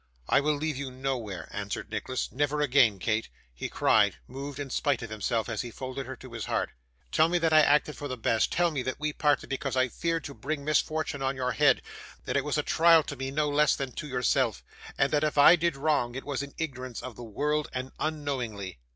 'I will leave you nowhere,' answered Nicholas 'never again, Kate,' he cried, moved in spite of himself as he folded her to his heart. 'Tell me that I acted for the best. Tell me that we parted because I feared to bring misfortune on your head; that it was a trial to me no less than to yourself, and that if I did wrong it was in ignorance of the world and unknowingly.